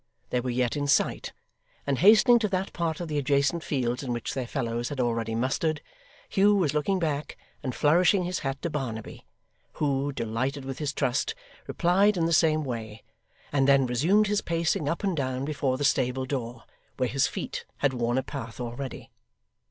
They were yet in sight, and hastening to that part of the adjacent fields in which their fellows had already mustered; Hugh was looking back, and flourishing his hat to Barnaby, who, delighted with his trust, replied in the same way, and then resumed his pacing up and down before the stable door, where his feet had worn a path already.